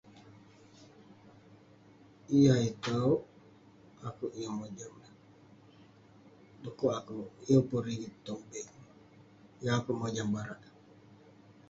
Yah itouk akouk yeng mojam lah. Dekuk akouk yeng pun rigit tong bank, yeng akouk mojam barak.